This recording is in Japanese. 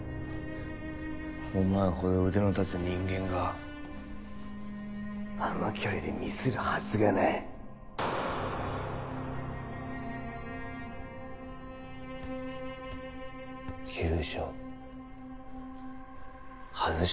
お前ほど腕の立つ人間があの距離でミスるはずがない急所外し